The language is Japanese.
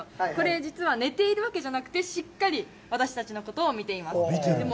これ、実は寝ているわけじゃなくてしっかり私たちのこと見ています。